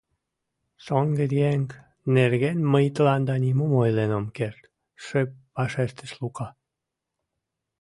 — Шоҥгыеҥ нерген мый тыланда нимом ойлен ом керт, — шып вашештыш Лука.